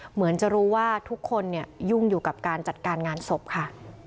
เหมือนจะรู้ว่าทุกคนยุ่งอยู่กับการจัดการงานศพค่ะ